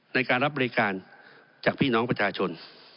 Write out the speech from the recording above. ในการรับบริการจากพี่น้องประชาชน